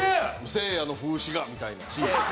せいやの風刺画みたいなシール。